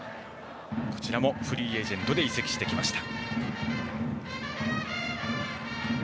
こちらもフリーエージェントで移籍してきました。